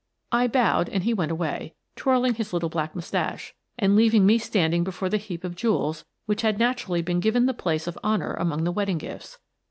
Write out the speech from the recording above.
I bowed and he went away, twirling his little black moustache, and leaving me standing before the heap of jewels which had naturally been given the place of honour among the wedding gifts.